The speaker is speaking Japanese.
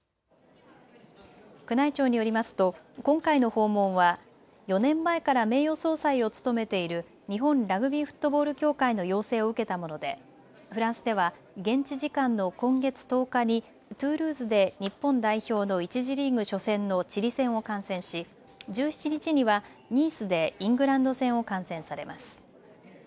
宮内庁によりますと今回の訪問は４年前から名誉総裁を務めている日本ラグビーフットボール協会の要請を受けたものでフランスでは現地時間の今月１０日にトゥールーズで日本代表の１次リーグ初戦のチリ戦を観戦し、１７日にはニースでイングランド戦を観戦されます。